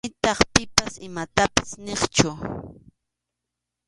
Nitaq pipas imatapas niqchu.